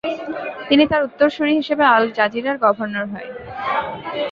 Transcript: তিনি তার উত্তরসুরি হিসেবে আল-জাজিরার গভর্নর হয়।